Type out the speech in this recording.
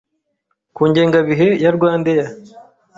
ku ngengabihe ya RwandAir